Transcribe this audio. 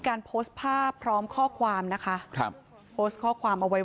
การโพสต์ภาพพร้อมข้อความนะคะครับโพสต์ข้อความเอาไว้